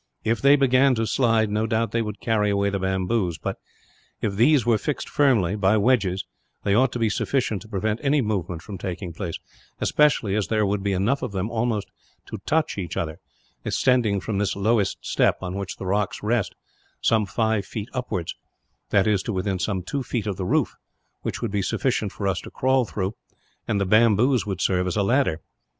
If they began to slide, no doubt they would carry away the bamboos; but if these were fixed firmly, by wedges, they ought to be sufficient to prevent any movement from taking place especially as there would be enough of them almost to touch each other, extending from this lowest step, on which the rocks rest, some five feet upwards that is, to within some two feet of the roof, which would be sufficient for us to crawl through, and the bamboos would serve as a ladder.